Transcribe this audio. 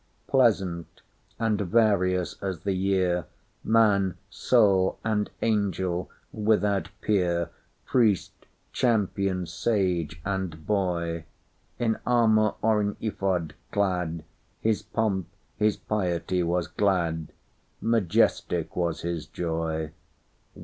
Pleasant—and various as the year; Man, soul, and angel without peer, Priest, champion, sage, and boy; In armour or in ephod clad, His pomp, his piety was glad; Majestic was his joy.